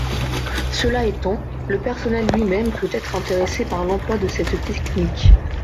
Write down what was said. Cela étant, le personnel lui-même peut être intéressé par l’emploi de cette technique.